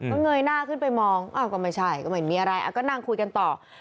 ก็เงยหน้าขึ้นไปมองอ้าวก็ไม่ใช่ก็ไม่มีอะไรก็นั่งคุยกันต่อ